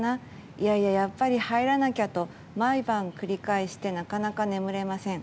いやいや、やっぱり入らなきゃと毎晩、繰り返してなかなか眠れません。